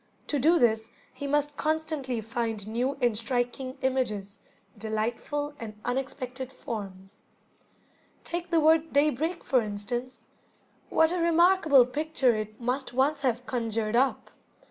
To do this he must constantly find new and striking images, delightful and unexpected forms. Take the word "daybreak", for instance. What a remarkable picture it must once have conjured up!